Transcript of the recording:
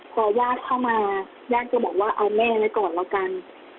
พอญาติเข้ามาญาติก็บอกว่าเอาแม่ไว้ก่อนแล้วกัน